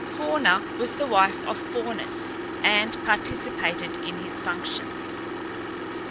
Fauna was the wife of Faunus, and participated in his functions.